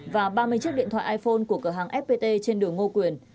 và ba mươi chiếc điện thoại iphone của cửa hàng fpt trên đường ngô quyền